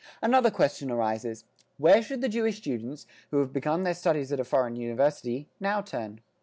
Another question arises: Where should the Jewish students, who have begun their studies at a foreign university, now turn?